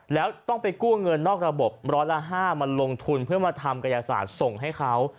แล้วต้องไปกู้เงินนอกระบบร้อยละ๕มาลงทุนเพื่อมาทำกายศาสตร์ส่งให้เขา